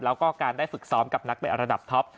แล้วก็การได้ฝึกซ้อมกับนักเตะระดับท็อป